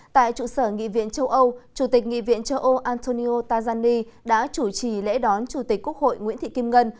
tại trụ sở nghị viện châu âu chủ tịch nghị viện châu âu antonio tajani đã chủ trì lễ đón chủ tịch quốc hội nguyễn thị kim ngân